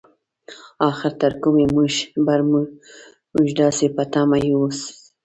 اخر تر کومې به مونږ داسې په تمه يو ستا؟